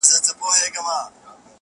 لا به په تا پسي توېږي اوښکي.